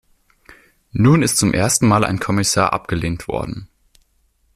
Nun ist zum ersten Mal ein Kommissar abgelehnt worden.